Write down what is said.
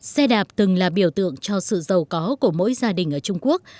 xe đạp từng là biểu tượng cho sự giàu có của mỗi gia đình ở trung quốc